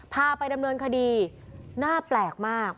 พาไปดำเนินคดีน่าแปลกมาก